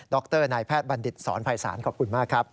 รนายแพทย์บัณฑิตสอนภัยศาลขอบคุณมากครับ